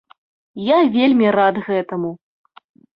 Я вельмі рад гэтаму!